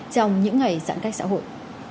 trong những ngày giãn cách xã hội